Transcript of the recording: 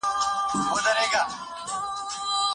لويه جرګه په سختو وختونو کي خلګ متحد کوي.